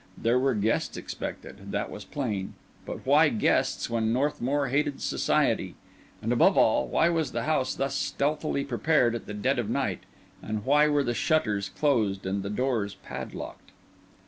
There were guests expected, that was plain; but why guests, when Northmour hated society? And, above all, why was the house thus stealthily prepared at dead of night? and why were the shutters closed and the doors padlocked?